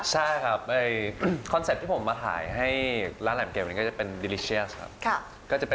ใช่ครับคอนเซ็ปต์ที่ผมมาขายให้ร้านแหลมเก็บนี้ก็จะเป็นดิริเชียสครับ